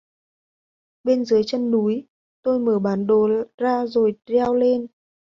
Đến dưới chân núi, tôi mở bản đồ ra rồi reo lên